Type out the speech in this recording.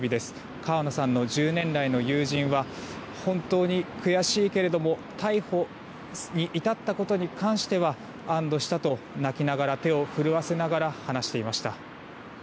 川野さんの１０年来の友人は本当に悔しいけれども逮捕に至ったことに関しては安堵したと泣きながら、手を震わせながら話していました。